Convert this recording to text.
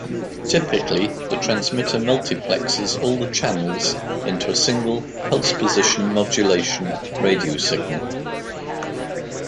Typically the transmitter multiplexes all the channels into a single pulse-position modulation radio signal.